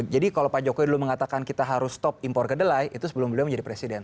jadi kalau pak jokowi dulu mengatakan kita harus stop impor kedelai itu sebelum belum menjadi presiden